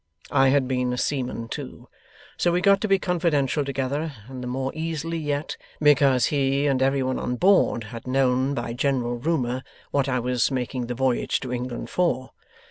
I had been a seaman too. So we got to be confidential together, and the more easily yet, because he and every one on board had known by general rumour what I was making the voyage to England for.